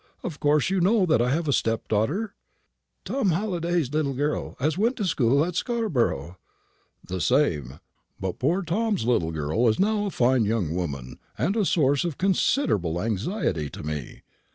Of course you know that I have a stepdaughter?" "Tom Halliday's little girl, as went to school at Scarborough." "The same. But poor Tom's little girl is now a fine young woman, and a source of considerable anxiety to me.